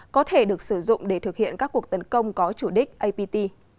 có thể được sử dụng để thực hiện các cuộc tấn công có chủ đích apt